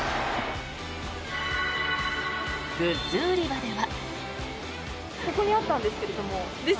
グッズ売り場では。